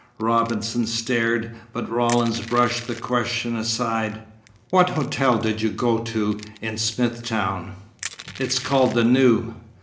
Robinson stared, but Rawlins brushed the question aside. "What hotel did you go to in Smithtown?" "It's called the 'New.'